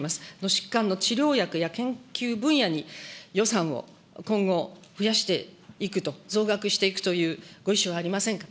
疾患の治療薬や研究分野に予算を今後増やしていくと、増額していくというご意思はありませんか。